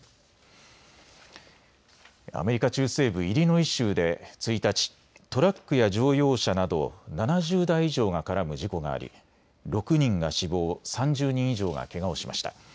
アメリカ中西部イリノイ州で１日、トラックや乗用車など７０台以上が絡む事故があり６人が死亡、３０人以上がけがをしました。